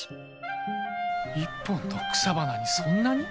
一本の草花にそんなに？